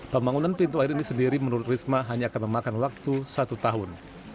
pembangunan pintu air ini sendiri menurut risma hanya akan memakan waktu satu tahun